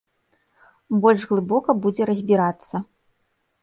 Больш глыбока будзе разбірацца.